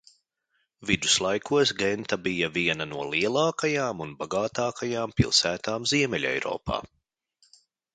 Viduslaikos Genta bija viena no lielākajām un bagātākajām pilsētām Ziemeļeiropā.